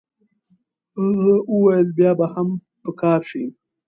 هغه وویل بیا به هم په کار شي.